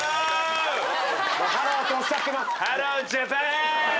ハローとおっしゃってます。